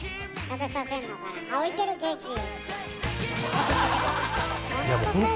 あ置いてるケーキ！